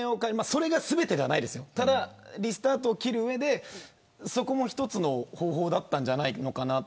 それが全てじゃないですけどリスタートを切る上でそこも一つの方法だったんじゃないかなと。